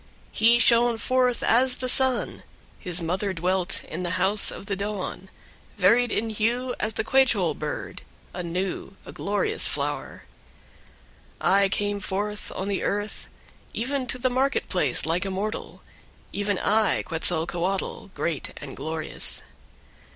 5. He shone forth as the sun; his mother dwelt in the house of the dawn, varied in hue as the quechol bird, a new, a glorious flower. 6. I came forth on the earth, even to the market place like a mortal, even I, Quetzalcoatl, great and glorious.